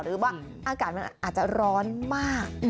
หรือว่าอาการมันอาจจะร้อนมาก